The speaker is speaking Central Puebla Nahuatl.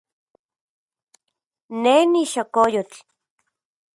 Ne nixokoyotl.